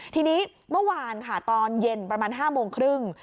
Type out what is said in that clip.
ทีนี้เมื่อวานค่ะตอนเย็นประมาณ๕โมงครึ่ง